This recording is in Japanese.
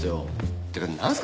ってかなんすか？